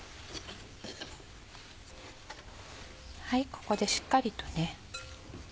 ここでしっかりとね